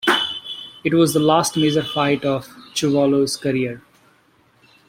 It was the last major fight of Chuvalo's career.